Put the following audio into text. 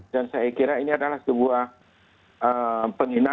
dan saya kira ini adalah sebuah penghinaan